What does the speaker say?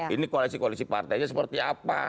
ini koalisi koalisi partainya seperti apa